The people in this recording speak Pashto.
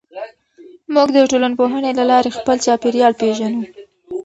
موږ د ټولنپوهنې له لارې خپل چاپېریال پېژنو.